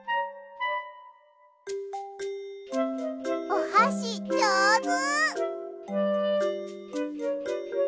おはしじょうず！